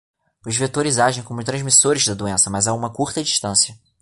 Os vetores agem como transmissores da doença, mas a uma curta distância.